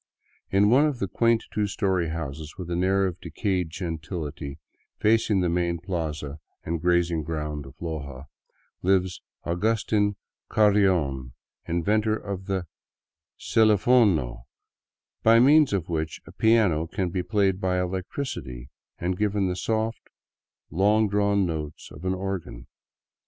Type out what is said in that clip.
In one of the quaint two story houses with an air of decayed gen tility, facing the main plaza and grazing ground of Loja, lives Augustin Carrion, inventor of the " celifono," by means of which a piano can be played by electricity and given the soft, long drawn notes of an organ.